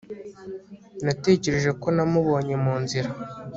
Natekereje ko namubonye mu nzira